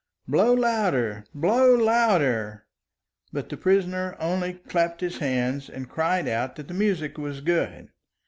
Blow louder! Blow louder!" But the prisoner only clapped his hands, and cried out that the music was good.